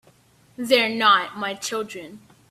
They're not my children.